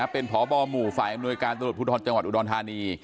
เป็นพบหมู่ฝ่ายอำนวยการตำรวจภูทรจังหวัดอุดรธานี